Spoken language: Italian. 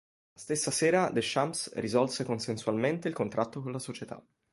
La stessa sera Deschamps risolse consensualmente il contratto con la società.